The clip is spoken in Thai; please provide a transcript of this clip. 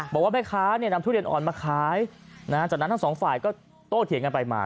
บอกว่าแม่ค้าเนี่ยนำทุเรียนอ่อนมาขายจากนั้นทั้งสองฝ่ายก็โตเถียงกันไปมา